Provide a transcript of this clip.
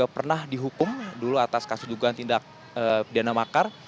pernah dihukum dulu atas kasus dugaan tindak pidana makar